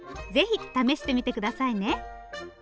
ぜひ試してみて下さいね。